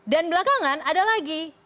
dan belakangan ada lagi